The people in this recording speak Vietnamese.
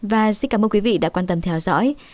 và xin cảm ơn quý vị đã quan tâm theo dõi